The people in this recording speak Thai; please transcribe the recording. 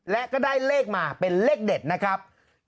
และก็ได้เลขมาเป็นเลขเด็ดนะครับ